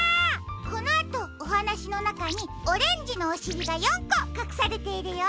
このあとおはなしのなかにオレンジのおしりが４こかくされているよ。